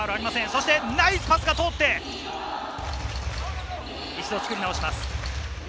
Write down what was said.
ナイスパスが通って、もう一度作り直します。